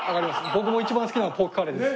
僕も一番好きなのはポークカレーです。